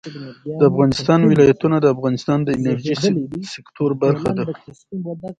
د افغانستان ولايتونه د افغانستان د انرژۍ سکتور برخه ده.